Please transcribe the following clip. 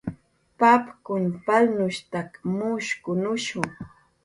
Papkun palnushstak mushkunushu